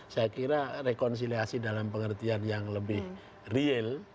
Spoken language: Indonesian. saya kira rekonsiliasi dalam pengertian yang lebih real